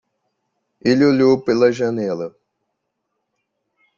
Ele olhou pela janela.